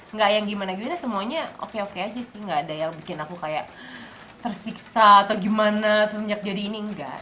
nggak yang gimana gimana semuanya oke oke aja sih gak ada yang bikin aku kayak tersiksa atau gimana semenjak jadi ini enggak